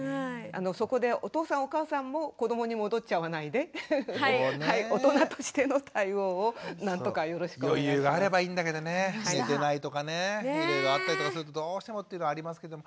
そこでお父さんお母さんも子どもに戻っちゃわないで余裕があればいいんだけどね寝てないとかねいろいろあったりとかするとどうしてもっていうのありますけども。